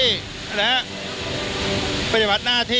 สถานการณ์ข้อมูล